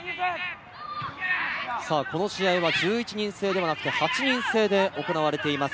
この試合は１１人制ではなく、８人制で行われています。